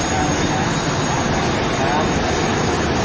เบ้าอย่างน้อย